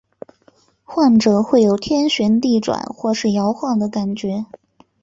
患者会有天旋地转或是摇晃的感觉。